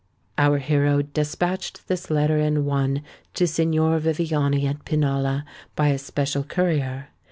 Our hero despatched this letter in one to Signor Viviani at Pinalla, by especial courier.